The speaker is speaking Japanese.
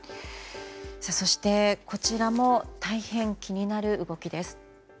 そして、こちらも大変気になる動きです。